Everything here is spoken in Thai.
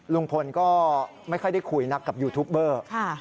ลุงพลก็ไม่ค่อยได้คุยนักกับยูทูปเบอร์